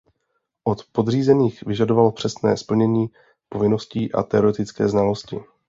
Od podřízených vyžadoval přesné plnění povinností a teoretické znalosti.